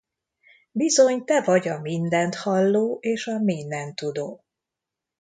Bizony Te vagy a Mindent Halló és a Mindentudó.